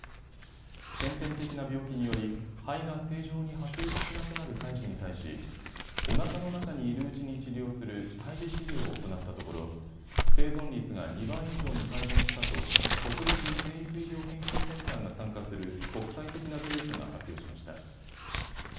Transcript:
先天的な病気により肺が正常に発育しなくなるたい胎児に対し、おなかの中にいるうちに治療する胎児治療を行ったところ生存率が２倍以上に改善したと国立成育医療研究センターが参加する国際的なグループが発表しました。